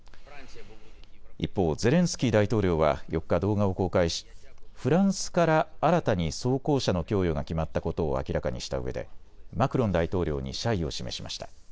一方、ゼレンスキー大統領は４日、動画を公開し、フランスから新たに装甲車の供与が決まったことを明らかにしたうえでマクロン大統領に謝意を示しました。